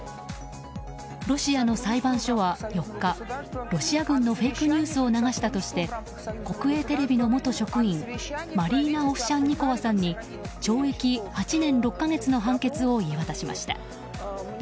ロシアの裁判所は４日ロシア軍のフェイクニュースを流したとして国営テレビの元職員、マリーナ・オフシャンニコワさんに懲役８年６か月の判決を言い渡しました。